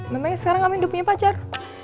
memangnya sekarang amin udah punya pacar